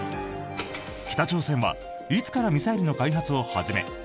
北朝鮮はいつからミサイルの開発を始め